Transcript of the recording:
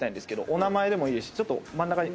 お名前でもいいですしちょっと真ん中に。